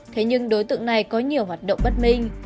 thế nhưng đối tượng này có nhiều hoạt động bất minh